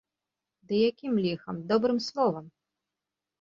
Ды якім ліхам, добрым словам!